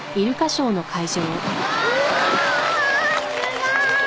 すごーい！